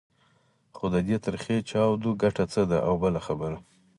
خو د دې تریخې چاودو ګټه څه ده؟ او بله خبره.